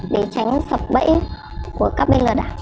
để tránh sập bẫy của các bên lừa đảo